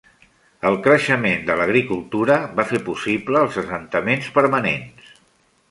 El creixement de l'agricultura va fer possible els assentaments permanents.